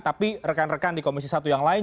tapi rekan rekan di komisi satu yang lain